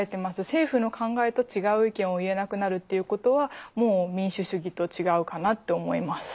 政府の考えと違う意見を言えなくなるっていうことはもう民主主義と違うかなって思います。